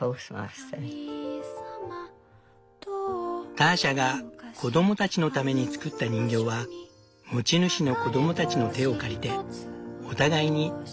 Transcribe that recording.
ターシャが子供たちのために作った人形は持ち主の子供たちの手を借りてお互いに手紙のやり取りをした。